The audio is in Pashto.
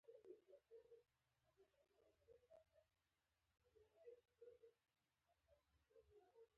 د زابل په شینکۍ کې د څه شي نښې دي؟